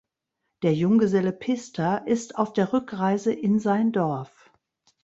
Der Junggeselle Pista ist auf der Rückreise in sein Dorf.